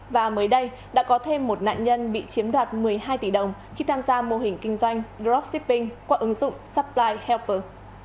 và mới đây đã có thêm một nạn nhân bị chiếm đoạt một mươi hai tỷ đồng khi tham gia mô hình kinh doanh dropshipping qua ứng dụng supply helper